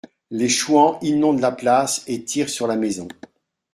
Les chouans inondent la place et tirent sur la maison.